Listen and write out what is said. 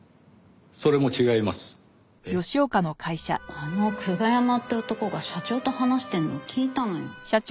あの久我山って男が社長と話してるのを聞いたのよ。